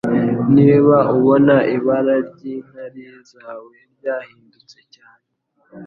Niba ubona ibara ry'inkari zawe ryahindutse cyane